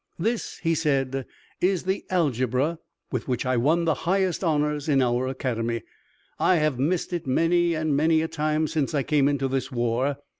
"This," he said, "is the algebra, with which I won the highest honors in our academy. I have missed it many and many a time since I came into this war.